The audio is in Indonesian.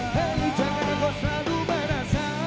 jangan kau selalu merasa